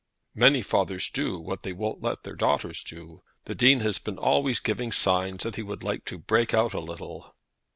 "Many fathers do what they won't let their daughters do. The Dean has been always giving signs that he would like to break out a little."